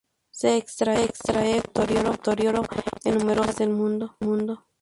Se extrae como minoritario en numerosas minas del mundo.